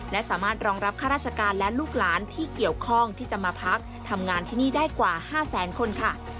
และสามารถรองรับข้าราชการและลูกหลานที่เกี่ยวข้องที่จะมาพักทำงานที่นี่ได้กว่า๕แสนคนค่ะ